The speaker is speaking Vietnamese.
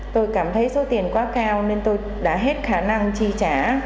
tôi cảm thấy số tiền quá cao nên tôi đã hết khả năng chi trả